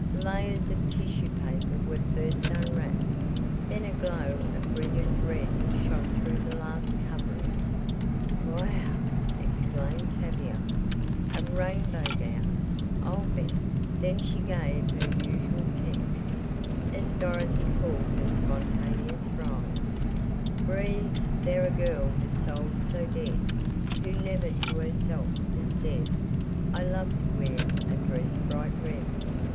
Layers of tissue paper were first unwrapped, then a glow of brilliant red shown through the last covering. "Whew!" exclaimed Tavia, "a rainbow gown, I'll bet. Then she gave her usual text, as Dorothy called her spontaneous rhymes: "Breathes there a girl with soul so dead, Who never to herself has said, I love to wear a dress bright red!"